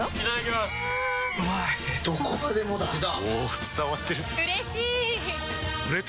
どこまでもだあ！